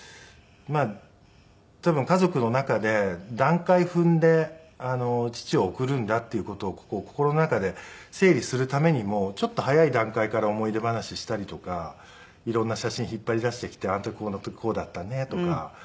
多分家族の中で段階踏んで父を送るんだっていう事を心の中で整理するためにもちょっと早い段階から思い出話したりとか色んな写真引っ張り出してきてあの時この時こうだったねとか。